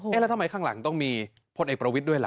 แล้วทำไมข้างหลังต้องมีพลเอกประวิทย์ด้วยล่ะ